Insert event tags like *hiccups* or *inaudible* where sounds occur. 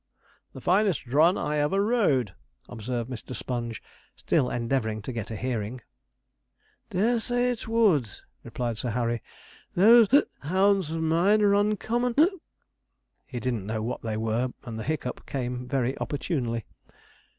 'The finest run I ever rode!' observed Mr. Sponge, still endeavouring to get a hearing. 'Dare say it would,' replied Sir Harry;' those *hiccups* hounds of mine are uncommon.' *hiccups* He didn't know what they were, and the hiccup came very opportunely.